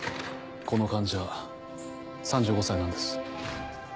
この患者３５歳なんです。